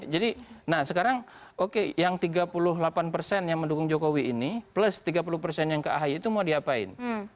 jadi sekarang yang tiga puluh delapan persen yang mendukung jokowi ini plus tiga puluh persen yang ke ahi itu mau diapain